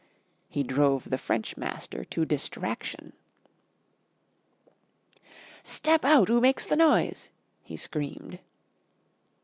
He drove the French master to distraction. "Step out 'oo makes the noise," he screamed.